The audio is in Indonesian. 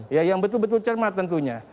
ya yang betul betul cermat tentunya